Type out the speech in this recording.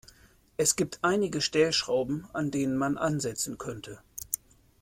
Es gibt einige Stellschrauben, an denen man ansetzen könnte.